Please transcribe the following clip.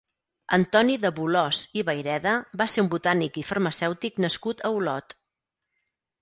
Antoni de Bolòs i Vayreda va ser un botànic i farmacèutic nascut a Olot.